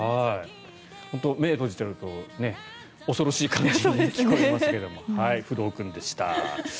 本当に、目を閉じていると恐ろしい感じに聞こえますけれどフドウ君でした。